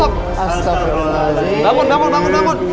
bangun bangun bangun